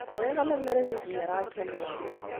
Bɣiɣ lemmer ad izmireɣ ad k-amneɣ.